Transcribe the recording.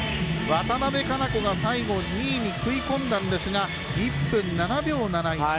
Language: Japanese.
渡部香生子が最後２位に食い込んだんですが１分７秒７１。